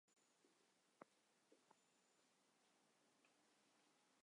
麦克斯意识到自己的身份即将暴露于是把男警察敲晕了。